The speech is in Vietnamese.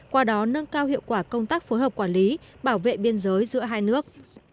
qua đó nâng cao hiệu quả công tác phối hợp quản lý bảo vệ biên giới giữa hai nước